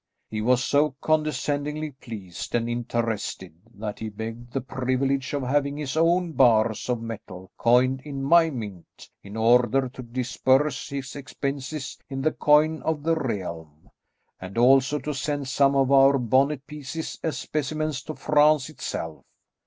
He was so condescendingly pleased and interested that he begged the privilege of having his own bars of metal coined in my mint, in order to disburse his expenses in the coin of the realm, and also to send some of our bonnet pieces as specimens to France itself.